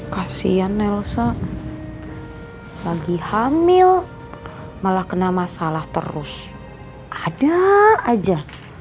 kasian nelsa lagi hamil malah kena masalah terus ada aja